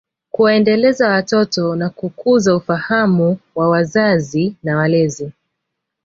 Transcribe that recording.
Kuwaendeleza watoto na kukuza ufahamu wa wazazi na walezi